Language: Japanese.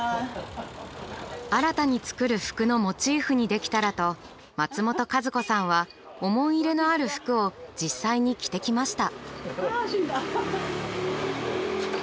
新たに作る服のモチーフにできたらと松本香壽子さんは思い入れのある服を実際に着てきました。